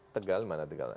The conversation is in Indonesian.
tegal dimana tegal